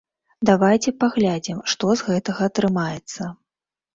Давайце паглядзім, што з гэтага атрымаецца.